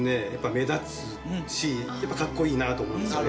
目立つしやっぱかっこいいなと思うんですよね。